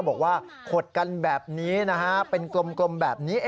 บอกว่าขดกันแบบนี้นะฮะเป็นกลมแบบนี้